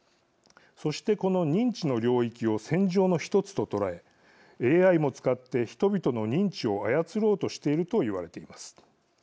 そして、この認知の領域を戦場の一つと捉えＡＩも使って人々の認知を操ろうとしていると言われています。